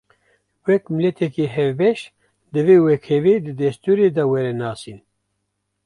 Wek miletekî hevbeş, divê wekhevî di destûrê de were nasîn